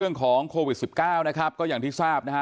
เรื่องของโควิด๑๙นะครับก็อย่างที่ทราบนะฮะ